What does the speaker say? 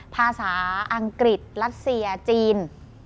ภาษาอังกฤษรัสเซียจีน